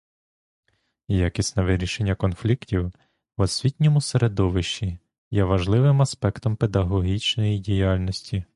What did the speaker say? Якісне вирішення конфліктів в освітньому середовищі є важливим аспектом педагогічної діяльності.